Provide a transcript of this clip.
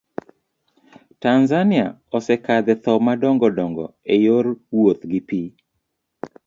Tanzania osekadhe thoo madongo dongo eyor wouth gi pii.